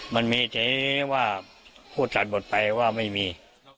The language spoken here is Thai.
มันมีเจ๊ว่าพูดตัดบทไปว่าไม่มี